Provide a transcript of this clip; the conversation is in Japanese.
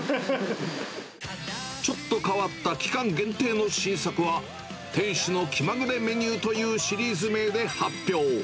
ちょっと変わった期間限定の新作は、店主の気まぐれメニューというシリーズ名で発表。